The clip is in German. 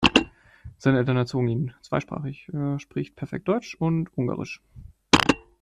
Seine Eltern erzogen ihn zweisprachig: er spricht perfekt Deutsch und Ungarisch.